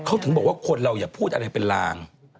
เขาถึงบอกว่าคนเราอย่าพูดอะไรเป็นลาง